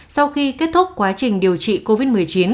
sau khi kết thúc quá trình điều trị covid một mươi chín